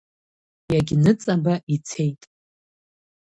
Иагьныҵаба ицеит.